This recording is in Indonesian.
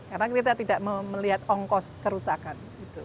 karena kita tidak melihat ongkos kerusakan